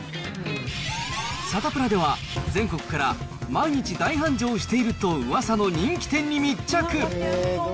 サタプラでは、全国から毎日大繁盛しているとうわさの人気店に密着。